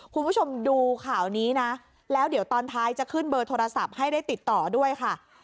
คุณผู้ชมดูข่าวนี้นะแล้วเดี๋ยวตอนท้ายจะขึ้นเบอร์โทรศัพท์ให้ได้ติดต่อด้วยค่ะ